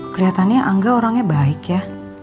kelihatannya angga orangnya baik ya